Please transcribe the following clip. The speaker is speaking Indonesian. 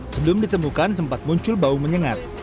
sebelum ditemukan sempat muncul bau menyengat